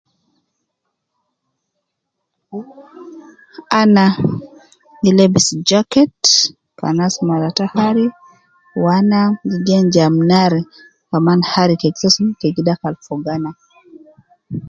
Ana gi lebis jacket ke ana asuma lata hari, wu ana gi gen jamb nar kaman hari ke gi soo sun, ke gi dakal fogo ana